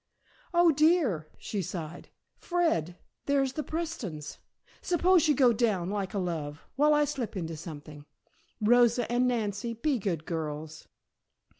"Oh, dear!" she sighed. "Fred, there's the Prestons. Suppose you go down, like a love, while I slip into something. Rosa and Nancy be good girls.